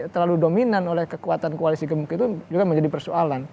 terlalu dominan oleh kekuatan koalisi gemuk itu juga menjadi persoalan